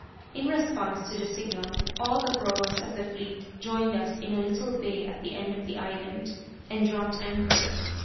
In response to the signal all the proas of the fleet joined us in a little bay at the end of the island, and dropped anchor.